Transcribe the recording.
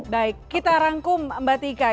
baik kita rangkum mbak tika